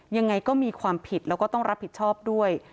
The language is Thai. ยังไงก็มีความผิดแล้วก็ต้องรับผิดชอบด้วย